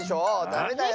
ダメだよ。